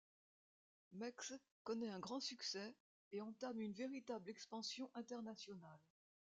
Mexx connaît un grand succès et entame une véritable expansion internationale.